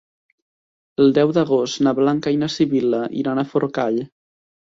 El deu d'agost na Blanca i na Sibil·la iran a Forcall.